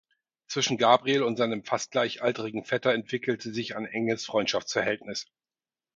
Zwischen Gabriel und seinem fast gleichaltrigen Vetter entwickelte sich ein enges Freundschaftsverhältnis.